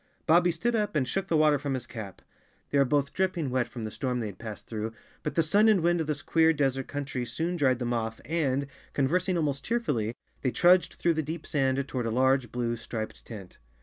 Bobbie stood up and shook the water from his cap. They were both dripping wet from the storm they had passed through, but the sun and wind of this queer des¬ ert country soon dried them off and, conversing almost cheerfully, they trudged through the deep sand toward a large blue, striped tent.